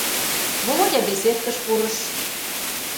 Володя беседкыш пурыш.